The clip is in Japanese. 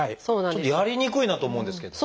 ちょっとやりにくいなと思うんですけど。